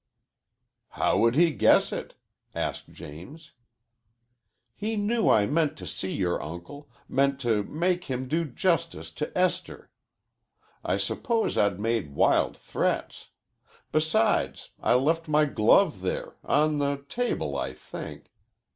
"How would he guess it?" asked James. "He knew I meant to see your uncle meant to make him do justice to Esther. I suppose I'd made wild threats. Besides, I left my glove there on the table, I think.